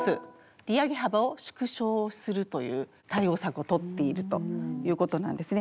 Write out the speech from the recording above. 利上げ幅を縮小するという対応策をとっているということなんですね。